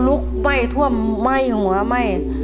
ลุกไหม้ท่วมไหม้หัวไหม้